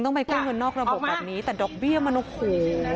ไปกู้เงินนอกระบบแบบนี้แต่ดอกเบี้ยมันโอ้โห